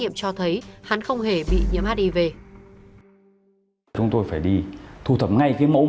để truy bắt đối tượng